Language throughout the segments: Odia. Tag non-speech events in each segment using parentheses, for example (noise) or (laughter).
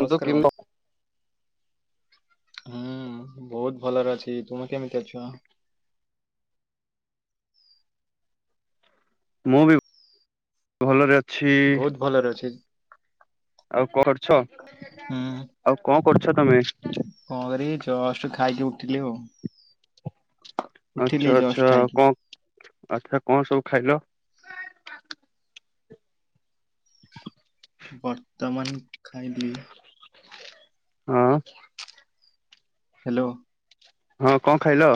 କିନ୍ତୁ କିମ୍ ବନ୍ଧୁ ହୁଁ ବହୁତ ଭଲରେ ଅଛି ତୁମେ କେମିତି ଅଛ? ମୁଁ ବି ଭଲରେ ଅଛି। ବହୁତ ଭଲରେ ଅଛି। ଆଉ କଣ କରୁଛ? ହୁଁ ଆଉ କଣ କରୁଛ ତମେ? କଣ କରିବି ଜଷ୍ଟ ଖାଇକି ଉଠିଲି ଆଉ। ଉଠିଲି ଆଚ୍ଛା ଜଷ୍ଟ ଆଚ୍ଛା ଖାଇକି କଁ ଆଚ୍ଛା କଣ ସବୁ ଖାଇଲ? ବର୍ତ୍ତମାନ ଖାଇଲି। ଆଁ। ହାଲୋ। ହଁ କଁ ଖାଇଲ।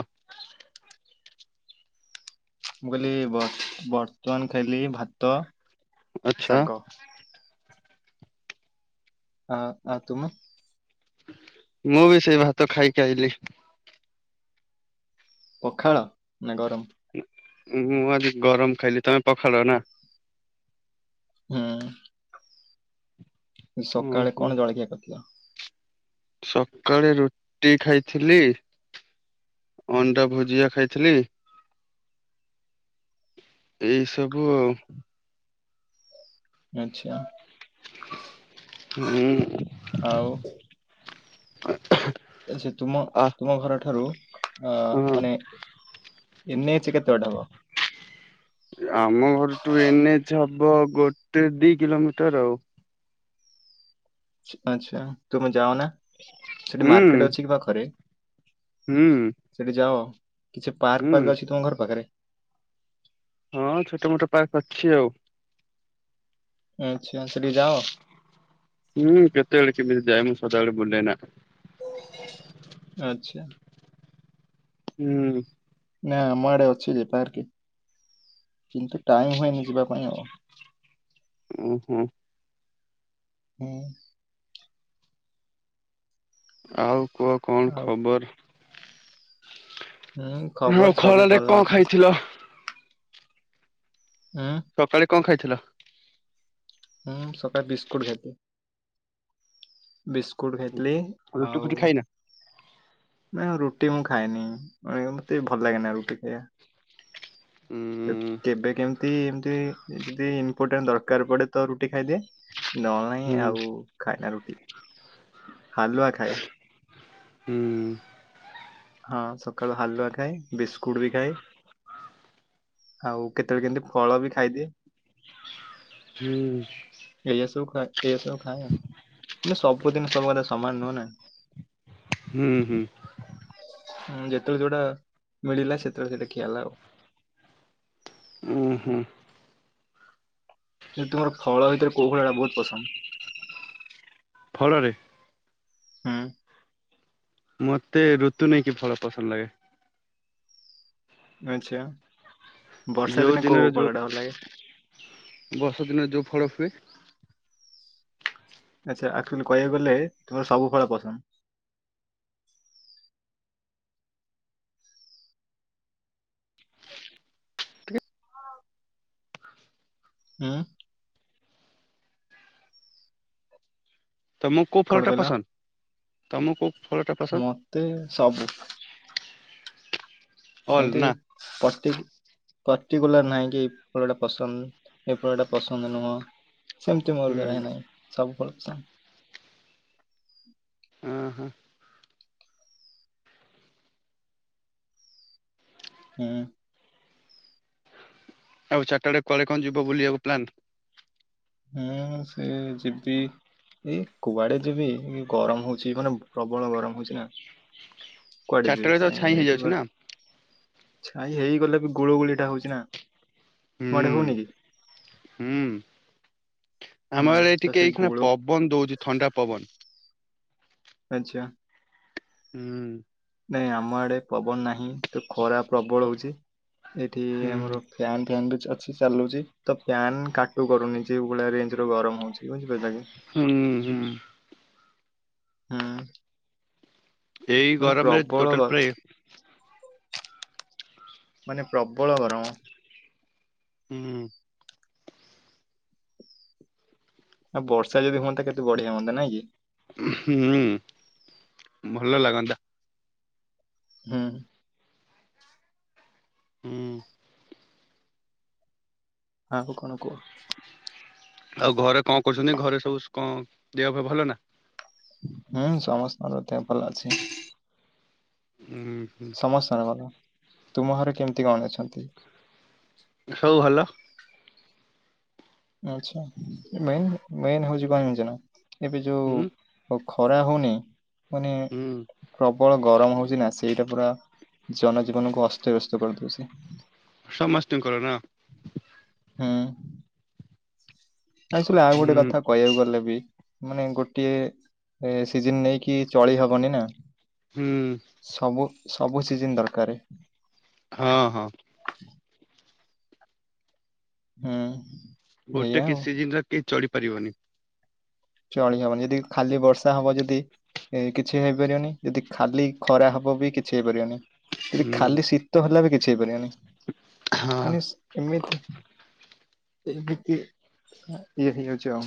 ମୁଁ କହିଲି ବର୍ତ୍ତ ବର୍ତ୍ତମାନ ଖାଇଲି ଭାତ। ଆଚ୍ଛା। ଶାଗ ଆ ଆଉ ତୁମେ? ମୁଁ ବି ସେଇ ଭାତ ଖାଇକି ଆଇଲି। ପଖାଳ ନା ଗରମ। ନା ମୁଁ ଆଜି ଗରମ ଖାଇଲି ତମେ ପଖାଳ ନା। ହୁଁ। ସକାଳେ ଓହୋ କଣ ଜଳଖିଆ କରିଥିଲ? ସକାଳେ ରୁଟି ଖାଇଥିଲି। ଅଣ୍ଡା ଭୁଜିଆ ଖାଇଥିଲି। ଏଇ ସବୁ ଆଉ। ଆଚ୍ଛା। ହୁଁ। ଆଉ ଆଛା ତୁମ ଆ ତୁମ ଘର ଠାରୁ। ଆ ହଁ ମାନେ ଏନ ଏଚ କେତେ ବାଟ ହବ? ଆମ ଘର ଟୁ ଏନ ଏଚ ହବ ଗୋଟେ, ଦି କିଲୋମିଟର ଆଉ। ଆଚ୍ଛା ତୁମେ ଯାଅ ନା। ସେଠି ହୁଁ ମାର୍କେଟ ଅଛି କି ପାଖରେ? ହୁଁ ସେଠି ଯାଅ କିଛି ପାର୍କ ହୁଁ ପାର୍କ ଅଛି ତୁମ ଘର ପାଖରେ? ହଁ ଛୋଟ ମୋଟ ପାର୍କ ଅଛି ଆଉ। ଆଛା ସେଠିକି ଯାଅ? ହୁଁ କେତେ ବେଳେ କେମିତି ଯାଏ ମୁଁ ସଦାବେଳେ ବୁଲ ନା। ଆଚ୍ଛା। ହୁଁ। ନା ଆମ ଆଡେ ଅଛି ଯେ ପାର୍କ କିନ୍ତୁ ଟାଇମ ହୁଏନି ଯିବା ପାଇଁ ଆଉ। ଉଁ ହୁଁ। ହୁଁ। ଆଉ କୁହ କଣ ଆଉ ଖବର? ହୁଁ ଆଉ ଖବର ସବୁ ଖରାରେ ଭଲ କଣ ଅଛି। ଖାଇଥିଲ ଉଁ। ସକାଳେ କଁ ଖାଇଥିଲ? ହୁଁ ସକାଳ ବିିସ୍କୁଟ ଖାଇଥିଲି ବିିସ୍କୁଟ ଖାଇଥିଲି। ରୁଟି ଆଉ। ଫୁଟି ଖାଇନା ନାଇଁ ମୁଁ ରୁଟି ମୁଁ ଖାଏନି ଅଏ ମତେ ଭଲ ଲାଗେନା ରୁଟି ଖାଇବା। ତ ହୁଁ କେବେ କେମିତି ଏମତି ଯଦି ଇମ୍ପୋର୍ଟାଣ୍ଟ ଦରକାର ପଡେ ତ ରୁଟି ଖାଇଦିଏ। ନ ନାହିଁ ହୁଁ ଆଉ ଖାଏ ନା ରୁଟି ହାଲୁଆ ଖାଏ। ହୁଁ। ହଁ ସକାଳୁ ହାଲୁଆ ଖାଏ ବିସ୍କୁଟ ବି ଖାଏ। ଆଉ କେତେବେଳେ କେମିତି ଫଳ ବି ଖାଇଦିଏ। ହୁଁ। ଏଇଆ ସବୁ ଖା ଏଇଆ ସବୁ ଖାଏ ଆଉ ମାନେ ସବୁ ଦିନ ସବୁବେଳେ ସମାନ ନୁହଁ ନା। ହୁଁ, ହୁଁ। ହୁଁ ଯେତେ ବେଳେ ଯୋଉଟା ମିଳିଲା ସେତେ ବେଳେ ସେଟା ଖିଆହେଲା ଆଉ। ଉୁଁ ହୁଁ। ଏ ତୁମର ଫଳ ଭିତରେ କୋଉ ଫଳ ଟା ବହୁତ ପସନ୍ଦ। ଫଳରେ ହୁଁ। ମତେ ଋତୁ ନେଇକି ଫଳ ପସନ୍ଦ ଲାଗେ। ଆଛା ବର୍ଷା ଯୋଉ ଦିନେ ଦିନରେ କୋଉ ଯୋଉ ଫଳଟା ଭଲ ଲାଗେ? ବର୍ଷା ଦିନରେ ଯୋଉ ଫଳ ହୁଏ। ଆଚ୍ଛା ଆକ୍ଚୁଆଲି କହିବାକୁ ଗଲେ ତୁମର ସବୁ ଫଳ ପସନ୍ଦ। ହୁଁ। ତମୁକୁ କୋଉ କଣ ଫଳଟା କହିଲ? ପସନ୍ଦ ତମୁକୁ କୋଉ ଫଳ ଟା ପସନ୍ଦ ମତେ ସବୁ। ଅଲ ସେନ୍ତି ନା ପଟିଗ୍ ପର୍ଟିଗୁଲାର ନାହିଁ କି ଏଇ ଫଳଟା ପସନ୍ଦ ଏ ଫଳଟା ପସନ୍ଦ ନୁହଁ। ସେମତି ମୋର ହୁଁ ଦ୍ଵାରା ହି ନାଇଁ ସବୁ ଫଳ ପସନ୍ଦ। ଅଁ ହଁ। ହୁଁ। ଆଉ ଚାରଟାଡେ କୁଆଡେ କଁ ଯିବ ବୁଲିଆକୁ ପ୍ଲାନ୍? ହୁଁ ସେ ଯିବି ଏଇ କୁଆଡେ ଯିବି ଗରମ ହଉଛି ମାନେ ପ୍ରବଳ ଗରମ ହଉଛି ନା। କୁଆଡେ ଚାରିଟା ଯିବି ବେଳେ ତ ସେଇ ଛାଇଁ ଏଇଠି ହେଇଯାଉଛି ନା ଘରେ ଛାଇ ହେଇଗଲେ ବି ଗୁଳୁଗୁଳିଟା ହଉଚି ନା ତୁମ ଆଡେ ହଉନି ହୁଁ କି? ହୁଁ ହୁଁ ଆମ ଆଡେ ତ ଟିକେ ସେ ଏଇକ୍ଷିଣା ଗୁଳୁ ପବନ ଦଉଚି ଥଣ୍ଡା ପବନ। ଆଚ୍ଛା। ହୁଁ। ନାଇଁ ଆମ ଆଡେ ପବନ ନାହିଁ ତ ଖରା ପ୍ରବଳ ହଉଚି। ଏଠି ହୁଁ ଆମର ଫ୍ୟାନ୍ ଫ୍ୟାନ୍ ବି ଚା ଅଛି ଚାଲୁଚି ତ ପ୍ୟାନ୍ କାଟୁ କରୁନି ଯେଉ ଭଳିଆ ରେଞ୍ଜର ଗରମ ହଉଛି ବୁଝ ପାଇଲ କି? ହୁଁ ହୁଁ। ହୁଁ। ଏଇ ମାନେ ଗରମରେ ପ୍ରବଳ ଟୋଟାଲ ଗ- ପ୍ରାୟେ ମାନେ ପ୍ରବଳ ଗରମ। ଉଁ। ଆଉ ବର୍ଷା ଯଦି ହୁଅନ୍ତା କେତେ ବଢିଆ ହୁଅନ୍ତା ନାଇଁ କି? ହୁଁ ଭଲ ଲାଗନ୍ତା। ହୁଁ। ହୁଁ। ଆହୁ କଣ କୁଅ? ଆଉ ଘରେ କଁ କରୁଛନ୍ତି ଘରେ ସବୁ ସ୍ କଁ ଦେହ ଫେହ ଭଲ ନା? ହୁଁ ସମସ୍ତଙ୍କର ଦେହ ଭଲ ଅଛି। ଉଁ ସମସ୍ତଙ୍କର ଭଲ ତୁମ ଘରେ କେମତି କଣ ଅଛନ୍ତି? ସବୁ ଭଲ। ଆଛା ମେନ୍ ମେନ୍ ହଉଚି କଁ ଜାଣିଚ ନା ଏବେ ଯୋଉ ହୁଁ। ଓ ଖରା ହଉନି ମାନେ ହୁଁ ପ୍ରବଳ ଗରମ ହଉଚି ନା ସେଇଟା ପୁରା ଜନଜୀବନକୁ ଅସ୍ତବ୍ୟସ୍ତ କରିଦଉଛି। ସମସ୍ତିଙ୍କର ନା। ହୁଁ। ନାଇଁ ଶୁଲୁ ଆଉ ଗୋଟେ ହୁଁ କଥା କହିଆକୁ ଗଲେ ବି ମାନେ ଗୋଟିଏ ଏ ସିଜନ୍ ନେଇକି ଚଳି ହବନି ନା। ହୁଁ। ସବୁ ସବୁ ସିଜନ୍ ଦରକାର ହଁ ହଁ ହୁଁ ଗୋଟେ ଏଇଆ କି ଆଉ। ସିଜିନରେ କେହି ଚଢି ପାରିବନି ଚଳି ହବନି ଯଦି ଖାଲି ବର୍ଷା ହବ ଯଦି ଏ କିଛି ହେଇପାରିବନି ଯଦି ଖାଲି ଖରା ହବ ବି କିଛି ହେଇପାରିବନି। କି ହୁଁ ଖାଲି ଶୀତ ହେଲା ବି କିଛି ହେଇପାରିବନି ହଁ। ମାନେ ଏମିତି ଏମିତି ଇଏ ହେଇଯାଉଛି ଆଉ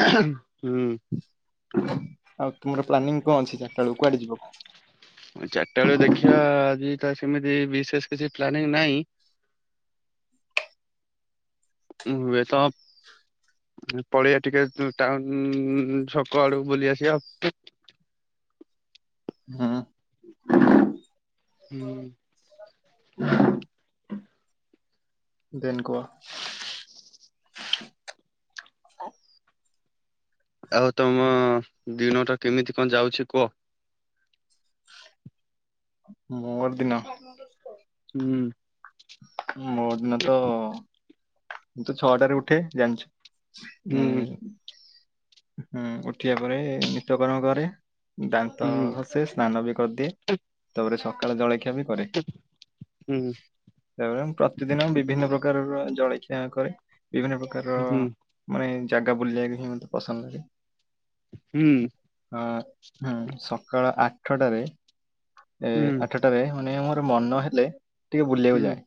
ହୁଁ ଆଉ ତୁମର ପ୍ଲାନିଂ କଣ ଅଛି ଚାରିଟା ବେଳକୁ କୁଆଡେ ଯିବ? ଚାରିଟା ବେଳେ ଦେଖିବା ଆଜି ତ ସେମିତି ବିଶେଷ କିଛି ପ୍ଲାନିଂ ନାହିଁ (unintelligible) ପଳେଇବା ଟିକେ ଟାଉନ ଉ ଛକଆଡ଼କୁ ବୁଲି ଆସିବା। ହଁ ହୁଁ (inaudible) ଦେନ୍ ଗୋ (inaudible) ଆଉ ତମ ଦିନ ଟା କେମିତି କଣ ଯାଉଛି କୁହ? ମୋର ଦିନ (unintelligible) ହୁଁ ମୋର ଦିନ ତ ମୁଁ ତ ଛଅଟାରେ ଉଠେ ଜାଣିଛ ଉ ହୁଁ ହୁଁ ଉଠିବା ପରେ ନିତ୍ୟକର୍ମ କରେ ଦାନ୍ତ ହୁଁ ଘସେ ସ୍ନାନ ବି କରିଦିଏ ତାପରେ ସକାଳେ ଜଳଖିଆ ବି କରେ। ହୁଁ ତାପରେ ପ୍ରତିଦିନ ବିଭିନ୍ନ ପ୍ରକାରର ଜଳଖିଆ କରେ ବିଭିନ୍ନ ପ୍ରକାରର ହୁଁ ମାନେ ଜାଗା ବୁଲିବାକୁ ହିଁ ମତେ ପସନ୍ଦ ଲାଗେ। ହୁଁ ଅ ହୁଁ ସକାଳ ଆଠଟାରେ ଏ ହୁଁ ଆଠ ତରେ ମାନେ ମୋର ମନ ହେଲେ ଟିକେ ବୁଲିବାକୁ ହୁଁ ଯାଏ।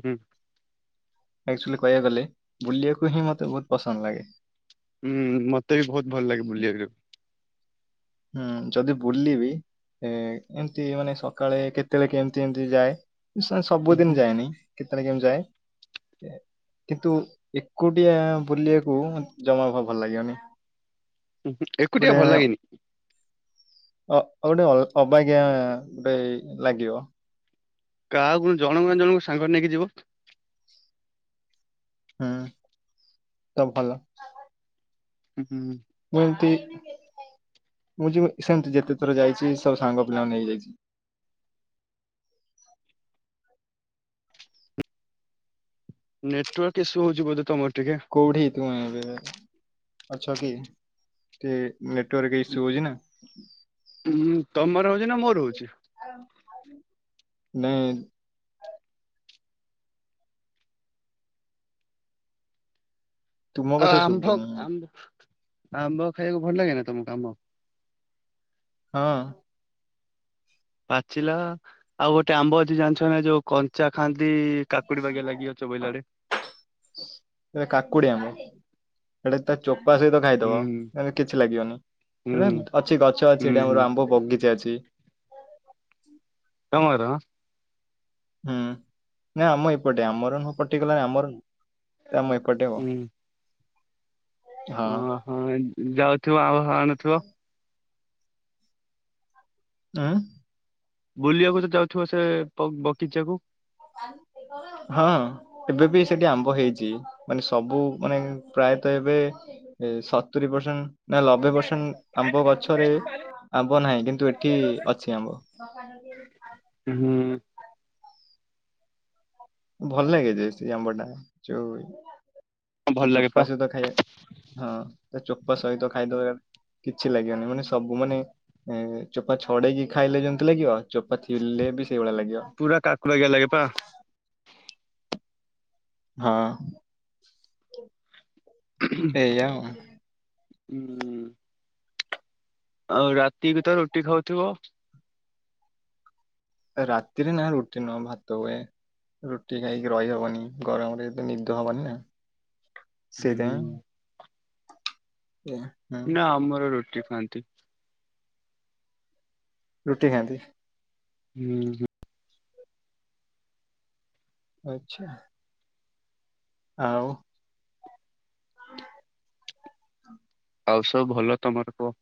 ହୁଁ ଆକ୍ଚୁଲି କହିବା ଗଲେ ବୁଲିବାକୁ ହିଁ ମତେ ବହୁତ ପସନ୍ଦ ଲାଗେ। ହୁଁ ମତେ ବି ବହୁତ ଭଲ ଲାଗେ ବୁଲିବାକୁ। ହୁଁ ଯଦି ବୁଲିବି ଏ ଏମତି ମାନେ ସକାଳେ କେତେବେଳେ କେ ଏମିତି ଏମତି ଯାଏ ସବୁଦିନ ଯାଏନି କେତେବେଳେ କେମିତି ଯାଏ। କିନ୍ତୁ ଏକୁଟିଆ ବୁଲିବାକୁ ମ ଜମା ଭଲ ଲାଗିବନି। ହୁଁ ଏକୁଟିଆ ଭଲ ଲାଗେନି ଅଉ ଗୋଟେ ଅଗ ଅବାଗିଆ ଗୋଟେ ଲାଗିବ କାହାକୁ ଜଣଙ୍କ ଜଣଙ୍କ ସାଙ୍ଗରେ ନେଇକି ଯିବ ହୁଁ ତ ଭଲ ଉ ହୁ ମୁଁ ଏମତି ମୁଁ ଯ ସେମତି ଯେତେ ଥର ଯାଇଛି ସବୁ ସାଙ୍ଗ ପିଲାଙ୍କୁ ନେଇଯାଇଛି। ନେଟୱାର୍କ ଇସୁ ହଉଛି ବୋଧେ ତମର ଟିକେ? କୋଉଠି ତୁମେ ଏବେ ଅଛ କି? ନେଟୱାର୍କ ଇସୁ ହଉଛି ନା? ତମର ହଉଛି ନା ମୋର ହଉଛି? (unintelligible) ନେ ତୁମ ଅ କଥା ଆମ୍ଭ ଶୁଭୁନି ମତେ। ଆମ୍ ଆମ୍ବ ଖାଇବାକୁ ଭଲ ଲାଗେ ନା ତମକୁ ଆମ? ହଁ। ପାଚିଲା ଆଉ ଗୋଟେ ଆମ୍ବ ଅଛି ଜାଣିଛ ନା ଯୋଉ କଞ୍ଚା ଖାଆନ୍ତି। କାକୁଡି ବାଗିଆ ଲାଗିବ ଚୋବେଇଲା ବେଳେ। ସେଟା କାକୁଡି ଆମ୍ବ ସେଟା ତା ଚୋପା ସହିତ। ଖାଇଦବ ହୁଁ ମାନେ କିଛି ଲାଗିବନି ହୁଁ ପୁରା ଅଛି ଗଛ ଅଛି ହୁଁ ଏଇଠି ହୁଁ ଆମର ଆମ୍ବ ବଗିଚା ଅଛି। ତମର। ହୁଁ ନା ଆମ ଏପଟେ ଆମର ନୁହଁ ପର୍ଟିକୁଲାର୍ ଆମର ନୁହଁ। ଆମ ଏପଟେ ଆଉ। ହୁଁ ହଁ ଓହୋ ଯାଉଥିବ ଆମ୍ବ ଆଣୁଥିବା। ଆଁ? ବୁଲିବାକୁ ତ ଯାଉଥିବ ସେ ବଗିଚାକୁ। (unintelligible) ହଁ ଏବେ ବି ସେଠି ଆମ୍ବ ହେଇଛି ମାନେ ସବୁ ମାନେ ପ୍ରାୟତଃ ଏବେ। ଏ ସତୁରି ପରସେଣ୍ଟ୍। ନା ଲବେପରସେଣ୍ଟ୍ ଆମ୍ବ ଗଛରେ ଆମ୍ବ ନାହିଁ କିନ୍ତୁ ଏଠି ଅଛି ଆମ୍ବ। ହୁଁ। ଭଲ ଲାଗେ ଯେ ସେ ଆମ୍ବ ଟା ଯୋଉ ତା ଭଲ ଲାଗେ ପା ଚୋପା ସହିତ ଖାଇବା। ହଁ ତା ଚୋପା ସହିତ ଖାଇଦବ କିଛି ଲାଗିବନି ମାନେ ସବୁ ମାନେ। ଏ ଚୋପା ଛଡେଇକି ଖାଇଲେ ଯେମିତି ଲାଗିବ ଚୋପା ଥିଲେ ବି ସେଇଭଳିଆ ଲାଗିବ। ପୁରା କାକୁଡି ବାଗିଆ ଲାଗେ ପା। ହଁ। (inaudible) ଏଇୟା ଆଉ। ହୁଁ। ଆଉ ରାତି ବି ତ ରୁଟି ଖାଉଥିବ। ରାତିରେ ନା ରୁଟି ନୁହଁ ଭାତ ହୁଏ। ରୁଟି ଖାଇକି ରହିହବନି ଗରମରେ ଏତେ ନିଦ ହବନି ନା। ହୁଁ ସେଇଥିପାଇଁ। ହୁଁ ନା ଆମର ରୁଟି ଖାଆନ୍ତି। ରୁଟି ଖାଆନ୍ତି। ହୁଁ। ଆଚ୍ଛା। ଆଉ। ହଁ (unintelligible) ଆଉ ସବୁ ଭଲ ତମର କୁହ।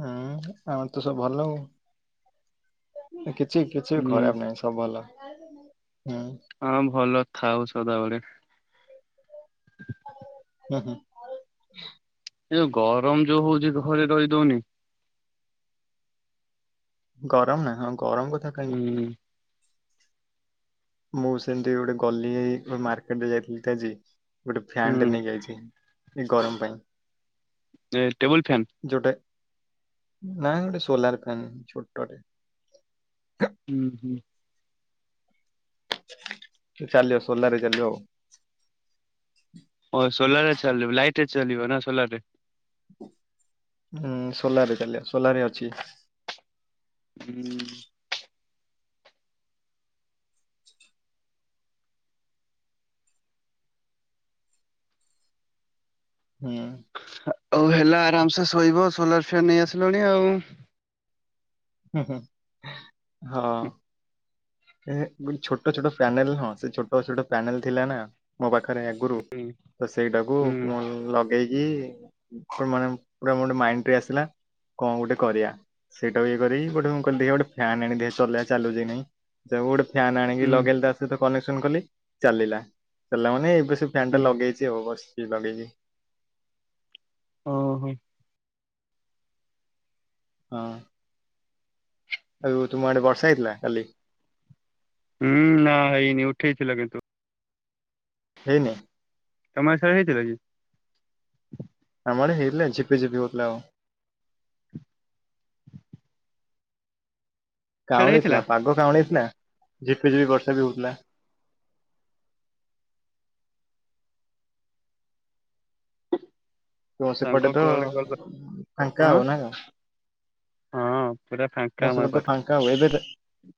ହୁଁ ଆମର ତ ସବୁ ଭଲ ଆଉ କିଛି କିଛି ବି ହୁଁ ଖରାପ ନାହିଁ। ସବୁ ଭଲ ହୁଁ। ହଁ ଭଲ ଥାଉ ସଦାବେଳେ। ହୁଁ ହୁଁ। ଏଇ ଯୋଉ ଗରମ ଯୋଉ ହଉଛି ଘରେ ରହି ଦଉନି। ଗରମ ନା ହଁ ଗରମ କଥା। କାହିଁ କହୁଛ ହୁଁ। ମୁଁ ସେମିତି ଗୋଟେ ଗଲି ମାର୍କେଟ ଟିକେ ଯାଇଥିଲି ଟି ଆଜି। ଗୋଟେ ହୁଁ ଫ୍ୟାନଟେ ନେଇ ଆଇଛି ଏ ଗରମ ପାଇଁ। ଏ ଟେବୁଲ୍ ଫ୍ୟାନ୍। ଯୋଉଟା ନାଇଁ ଗୋଟେ ସୋଲାର୍ ଫ୍ୟାନ ଛୋଟଟେ। ହୁଁ ହୁଁ। ଚାଲିବ ସୋଲାର୍ ରେ ଚାଲିବ ଆଉ। ଓ ସୋଲାର୍ ରେ ଚାଲିବ ଲାଇଟରେ ଚାଲିବ ନା ସୋଲାର୍ ରେ। ହୁଁ ସୋଲାରରେ ଚାଲିବ ସୋଲାର ରେ ଅଛି। ହୁଁ। ହୁଁ। ହଉ ହେଲା ଆରାମସେ ଶୋଇବ ସୋଲାର ଫ୍ୟାନ୍ ନେଇ ଆସିଲଣି ଆଉ। ଓ ହୋ ହଁ। ଏ ଗୋଟେ ଛୋଟ ଛୋଟ ପ୍ୟାନେଲ ହଁ ସେ ଛୋଟ ଛୋଟ ପ୍ୟାନେଲ ଥିଲା ନା। ମୋ ପାଖରେ ଆଗରୁ ହୁଁ ତ ସେଇଟାକୁ ହୁଁ ମୁଁ ଲଗେଇକି ମୁଖ ମାନେ ପୁର ମୋ ମାଇଣ୍ଡ ଟେ ଆସିଲା। କଣ ଗୋଟେ କରିବା? ସେଇଟା ଇଏ କରିକି ଗୋଟେ ମୁ କହିଲି ଦେଖିବ ଗୋଟେ ଫ୍ୟାନ ଆଣି ଦେ ସୋଲାର ଚାଲୁଚି ନା ନାଇଁ। ଯ ଗୋଟେ ଫ୍ୟାନ ଆଣିକି ହୁଁ ଲଗେଇଲେ ତା ସହିତ କନେକ୍ସନ କଲି ଚାଲିଲା। ଚାଲିଲା ମାନେ ଏବେସ ଫ୍ୟାନ ଟା ହୁଁ। ଲଗେଇଚି ଆଉ ବସିଚି ଲଗେଇନି। ଓହୋ। ହଁ। ଆଉ ତୁମ ଆଡେ ବର୍ଷା ହେଇଥିଲାଲ କାଲି? ହୁଁ ନା ହେଇନି ଉଠେଇଥିଲ କିନ୍ତୁ। ହେଇନି। ତମର ସାରେ ହେଇଥିଲ କି? ଆମ ଆଡେ ହେଇଥିଲା ଝିପିଝିପି ହେଉଥିଲା ଆଉ। ସିଆଡେ କାଉଁଳି ହେଇଥିଲା ଥିଲା ପାଗ କାଉଁଳି ଥିଲା। ଝିପି ଝିପି ବର୍ଷା ବି ହଉଥିଲା। ତମର ସେପଟେ ସାଙ୍ଗ ତ କୁଆଡେ ଗଲା ଫାଙ୍କା ହଁ ନା କଣ? ହଁ ସେଟା ଫା ତମର ସେପଟେ ତ ଫାଙ୍କା ଏବେ ବେ